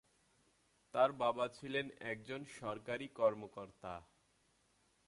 তাঁর বাবা ছিলেন একজন সরকারী কর্মকর্তা।